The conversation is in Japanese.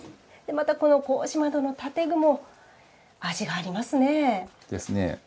また、この格子窓の建具も味がありますね。ですね。